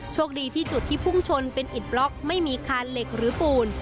โชคดีที่จุดที่พุ่งชนเป็นอิดบล็อกไม่มีคานเหล็กหรือปูน